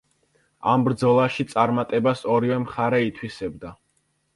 ამ ბრძოლაში წარმატებას ორივე მხარე ითვისებდა.